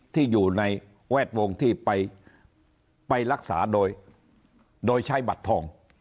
ที่อยู่ในแวดวงที่ไปรักษาโดยใช้บัตรทอง